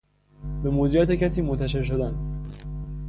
به مدیریت کسی منتشر شدن